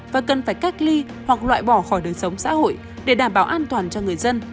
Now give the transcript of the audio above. và cần phải cách ly hoặc loại bỏ khỏi đời sống xã hội để đảm bảo an toàn cho người dân